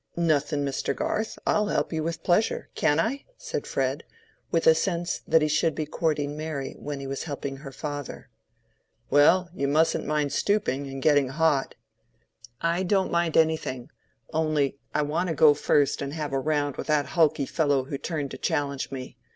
"Nothing, Mr. Garth. I'll help you with pleasure—can I?" said Fred, with a sense that he should be courting Mary when he was helping her father. "Well, you mustn't mind stooping and getting hot." "I don't mind anything. Only I want to go first and have a round with that hulky fellow who turned to challenge me.